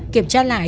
kiểm tra lại